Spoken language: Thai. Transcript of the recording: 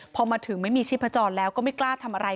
พอมาถึงไม่มีชีพจรแล้วก็ไม่กล้าทำอะไร